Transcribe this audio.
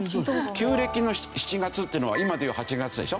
旧暦の７月っていうのは今で言う８月でしょ。